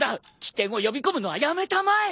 危険を呼び込むのはやめたまえ